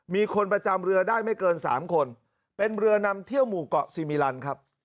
มีคนประจำเรือได้ไม่เกิน๓คนเป็นเรือนำเที่ยวหมู่เกาะซีมิลันครับ